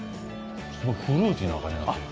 すごいフルーティーな感じになってる。